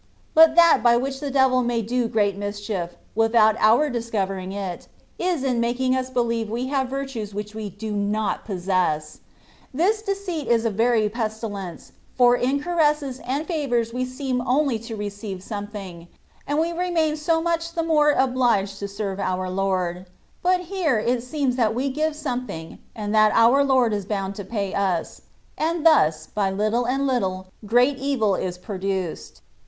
But that by which the devil may do great mischief, without our discover ing it, is in making us believe we have virtues which we do not possess ; this deceit is a very pes tilence, for in caresses and favours we seem only to receive something, and we remain so much the more obliged to serve our Lord : but here it seems that we give something, and that our Lord is bound to pay us, and thus by little and little great evil is produced.